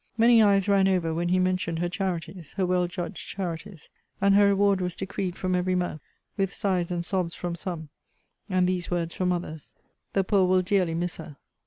Many eyes ran over when he mentioned her charities, her well judged charities. And her reward was decreed from every mouth with sighs and sobs from some, and these words from others, 'The poor will dearly miss her.'